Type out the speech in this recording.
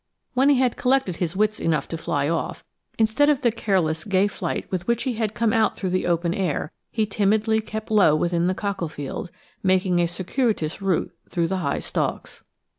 When he had collected his wits enough to fly off, instead of the careless gay flight with which he had come out through the open air, he timidly kept low within the cockle field, making a circuitous way through the high stalks.